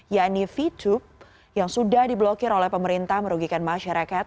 yakni vtube yang sudah diblokir oleh pemerintah merugikan masyarakat